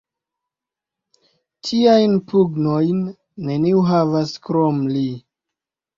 Tiajn pugnojn neniu havas, krom li!